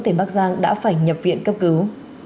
tỉnh bắc giang đã phải nhập viện cấp cứu